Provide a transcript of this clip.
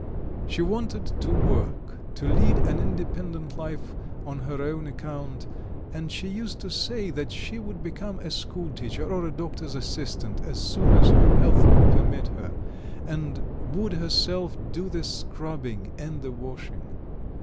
She wanted to work, to lead an independent life on her own account, and she used to say that she would become a school teacher or a doctor's assistant as soon as her health would permit her, and would herself do the scrubbing and the washing.